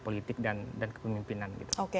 politik dan kepemimpinan